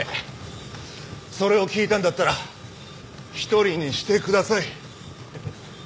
それを聞いたんだったら一人にしてください。